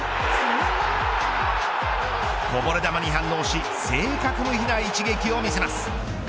こぼれ球に反応し正確無比な一撃を見せます。